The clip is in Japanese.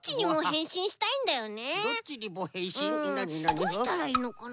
どうしたらいいのかな？